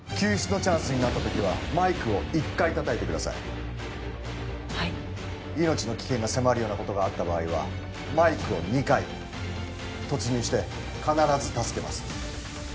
チャンスになった時はマイクを１回叩いてくださいはい命の危険が迫るようなことがあった場合はマイクを２回突入して必ず助けます